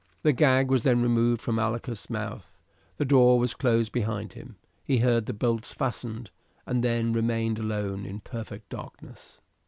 The gag was then removed from Malchus' mouth, the door was closed behind him, he heard the bolts fastened, and then remained alone in perfect darkness.